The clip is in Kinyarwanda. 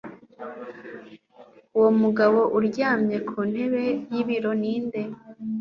Uwo mugabo uryamye ku ntebe yibiro ni nde